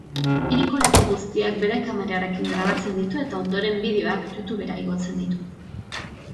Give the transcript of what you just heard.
Hiriko leku guztiak bere kamerarekin grabatzen ditu eta ondoren bideoak youtubera igotzen ditu.